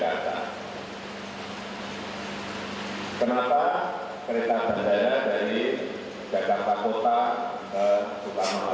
diaksakan kemana mana untuk melakukan transportasi massal